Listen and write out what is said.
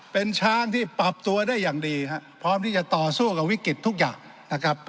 เป็นช้างที่ปรับตัวได้อย่างดีครับพร้อมที่จะต่อสู้กับวิกฤตทุกอย่างนะครับ